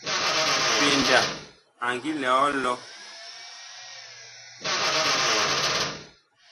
PENDA a ngi lɛ a ɔlɔ.